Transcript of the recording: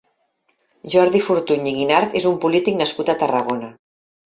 Jordi Fortuny i Guinart és un polític nascut a Tarragona.